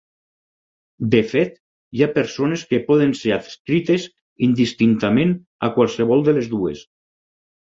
De fet hi ha persones que poden ser adscrites indistintament a qualsevol de les dues.